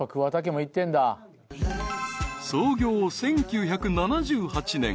［創業１９７８年］